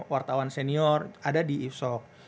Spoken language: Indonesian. wartawan senior ada di isok